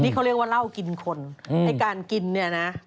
นี่เขาเรียกว่าเหล้ากินคนไอ้การกินเนี่ยนะ